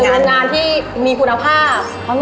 เป็นโรงงานที่มีคุณภาพ